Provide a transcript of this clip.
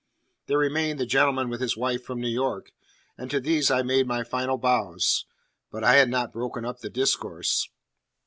There remained the gentleman with his wife from New York, and to these I made my final bows. But I had not broken up the discourse.